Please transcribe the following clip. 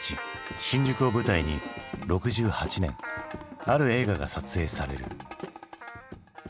新宿を舞台に６８年ある映画が撮影される。